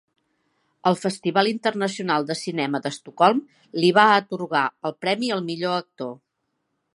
El Festival Internacional de Cinema d'Estocolm li va atorgar el premi al Millor Actor.